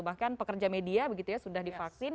bahkan pekerja media begitu ya sudah divaksin